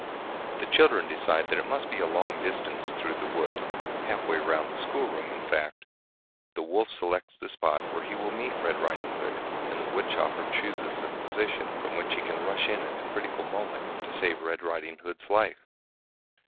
The children decide that it must be a long distance through the wood, half way round the schoolroom, in fact. The wolf selects the spot where he will meet Red Riding Hood, and the woodchopper chooses a position from which he can rush in at the critical moment, to save Red Riding Hood's life.